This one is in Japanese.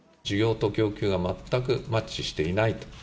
需要と供給が全くマッチしていないと。